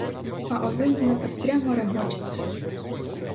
А озимина так прямо регочеться.